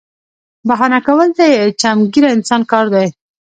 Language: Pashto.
بهانه کول د چمګیره انسان کار دی